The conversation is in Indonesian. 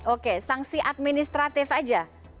oke sanksi administratif saja